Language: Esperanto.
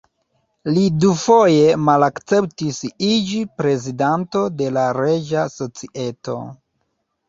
Li dufoje malakceptis iĝi Prezidanto de la Reĝa Societo.